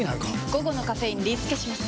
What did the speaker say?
午後のカフェインリスケします！